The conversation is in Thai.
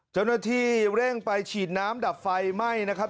เจ้าหน้าที่เร่งไปฉีดน้ำดับไฟไหม้นะครับ